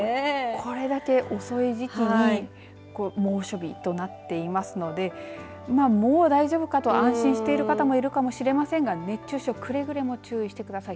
これだけ遅い時期に猛暑日となっていますのでもう大丈夫かと安心してる方もいるかもしれませんが熱中症くれぐれも注意してください。